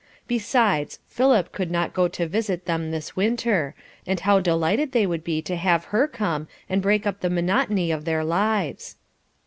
Besides, Philip could not go to visit them this winter, and how delighted they would be to have her come and break up the monotony of their lives.